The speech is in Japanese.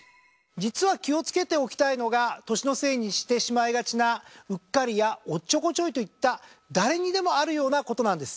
実は気をつけておきたいのが年のせいにしてしまいがちなうっかりやおっちょこちょいといった誰にでもあるようなことなんです。